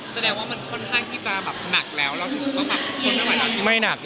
แสดงว่ามันค่อนข้างที่จะแบบหนักแล้วแล้วใช่ไหม